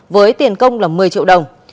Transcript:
với tiền công là một mươi triệu đồng